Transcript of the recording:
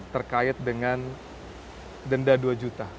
terkait dengan denda dua juta